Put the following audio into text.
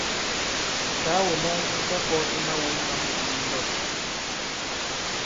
Ǹtàagò mɔn mu ta-kwɔ̄ i mawōn ma mût nu ndɔk.